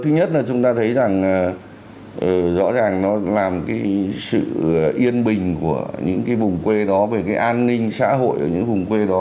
thứ nhất là chúng ta thấy rằng rõ ràng nó làm cái sự yên bình của những cái vùng quê đó về cái an ninh xã hội ở những vùng quê đó